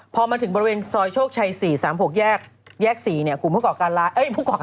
พอมาถึงบริเวณซอยโชคชัย๔๓๖แยก๔เนี่ย